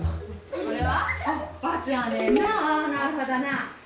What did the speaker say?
これは？